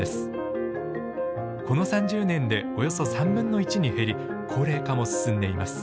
この３０年でおよそ３分の１に減り高齢化も進んでいます。